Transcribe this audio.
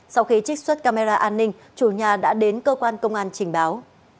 sau khi trích xuất camera an ninh chủ nhà đã đến cơ quan công an trình báo